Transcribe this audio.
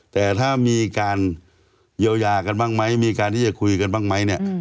แต่ถ้ามีการเยียวยากันบ้างไหมมีการที่จะคุยกันบ้างไหมเนี่ย